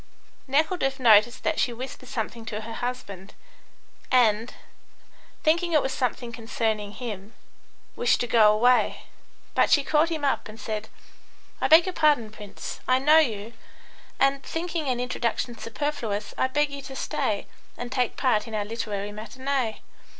Nekhludoff noticed that she whispered something to her husband, and, thinking it was something concerning him, wished to go away, but she caught him up and said: "I beg your pardon, Prince, I know you, and, thinking an introduction superfluous, I beg you to stay and take part in our literary matinee.